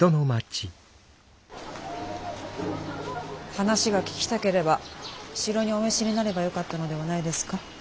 話が聞きたければ城にお召しになればよかったのではないですか。